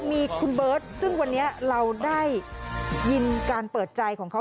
มีคุณเบิร์ตซึ่งวันนี้เราได้ยินการเปิดใจของเขา